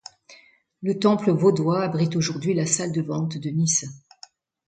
Le temple vaudois abrite aujourd’hui la salle de ventes de Nice.